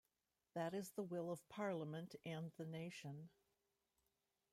That is the will of Parliament and the nation.